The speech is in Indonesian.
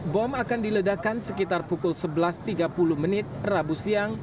bom akan diledakan sekitar pukul sebelas tiga puluh menit rabu siang